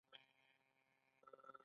سمینارونه هم په دې برخه کې مرسته کوي.